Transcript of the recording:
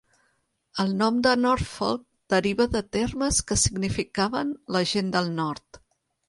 El nom de "Norfolk" deriva de termes que significaven "la gent del nord".